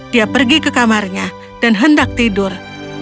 dia pergi ke kamarnya dan hendak tidur